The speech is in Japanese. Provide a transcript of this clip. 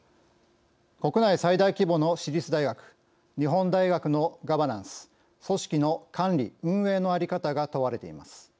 国内最大規模の私立大学日本大学のガバナンス組織の管理・運営の在り方が問われています。